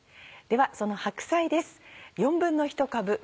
ではその白菜です。